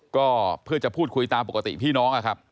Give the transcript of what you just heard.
ก็เพื่อจะพูดคุยตามปกติพี่น้องนะครับ